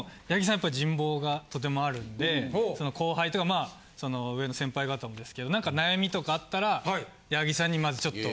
やっぱり人望がとてもあるんで後輩とか上の先輩方もですけど何か悩みとかあったら矢作さんにまずちょっと。